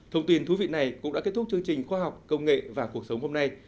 thông tin thú vị này cũng đã kết thúc chương trình khoa học công nghệ và cuộc sống hôm nay